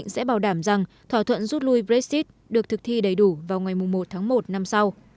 sẽ bảo đảm rằng thỏa thuận rút lui brexit được thực thi đầy đủ vào ngày một tháng một năm sau